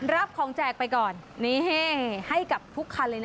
รับของแจกไปก่อนนี่ให้กับทุกคันเลยนะ